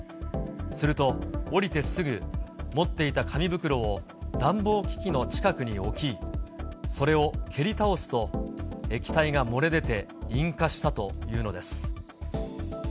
すると、降りてすぐ、持っていた紙袋を暖房機器の近くに置き、それを蹴り倒すと液体が漏れ出て引火したというのです。